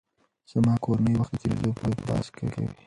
زما کورنۍ وخت د تېرېدو په اړه بحث کوي.